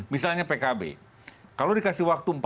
misalnya pkb kalau dikasih waktu